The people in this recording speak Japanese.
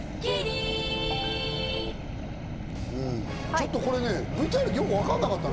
ちょっとこれね、ＶＴＲでよくわかんなかったの。